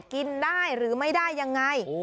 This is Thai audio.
กินได้หรือไม่ได้ยังไง